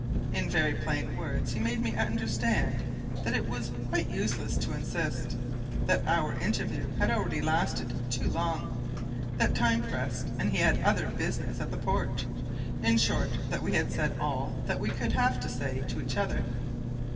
In very plain words he made me understand that it was quite useless to insist, that our interview had already lasted too long, that time pressed, and he had business at the port; in short that we had said all that we could have to say to each other.